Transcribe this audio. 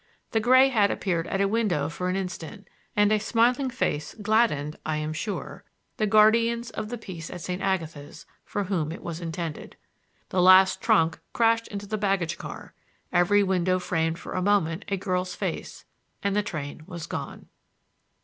The gray hat appeared at a window for an instant, and a smiling face gladdened, I am sure, the guardians of the peace at St. Agatha's, for whom it was intended. The last trunk crashed into the baggage car, every window framed for a moment a girl's face, and the train was gone.